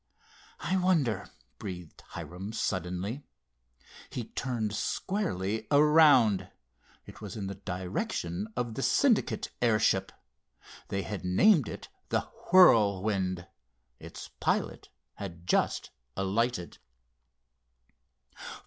"I wonder," breathed Hiram suddenly. He turned squarely around. It was in the direction of the Syndicate airship. They had named it the Whirlwind. Its pilot had just alighted.